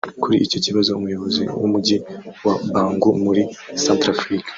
Kuri icyo kibazo umuyobozi w’umujyi wa Bangui muri Centafrica